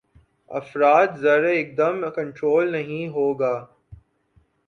افراط زر ایکدم کنٹرول نہیں ہوگا۔